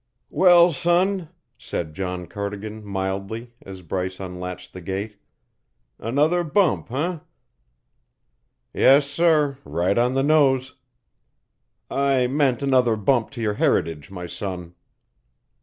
"Well, son," said John Cardigan mildly as Bryce unlatched the gate, "another bump, eh?" "Yes, sir right on the nose." "I meant another bump to your heritage, my son."